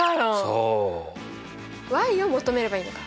そう。を求めればいいのか。